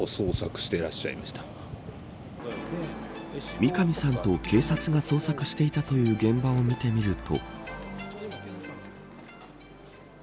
三上さんと警察が捜索をしていたという現場を見てみると。